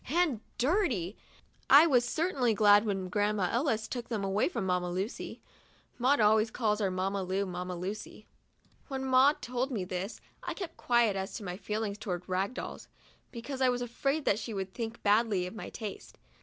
And dirty! — I was certainly glad when Grandma Ellis took them away from Mamma Lucy." Maud always calls our Mamma Lu, Mamma Lucy. When Maud told me this, I kept quiet as to my feel ings toward rag dolls, because I was afraid that she would think badly of my taste.